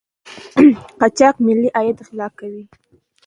قاچاق ملي عاید غلا کوي.